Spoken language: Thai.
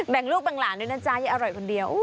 ลูกแบ่งหลานด้วยนะจ๊ะอย่าอร่อยคนเดียว